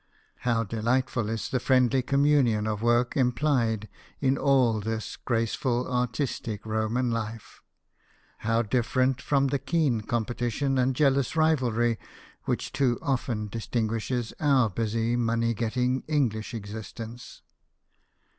How delightful is the friendly communion of work implied in all this graceful artistic Roman life ! How different from the keen competition and jealous rivalry which too often distinguishes our busy money getting English existence!